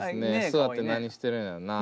座って何してるんやろなあ。